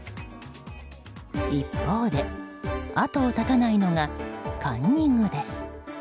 一方で、後を絶たないのがカンニングです。